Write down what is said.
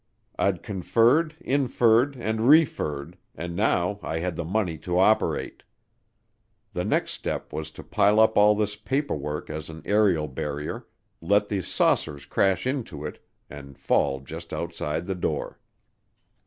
I'd conferred, inferred, and referred, and now I had the money to operate. The next step was to pile up all this paper work as an aerial barrier, let the saucers crash into it, and fall just outside the door.